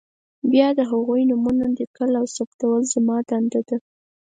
بیا د هغوی نومونه لیکل او ثبتول زما دنده ده.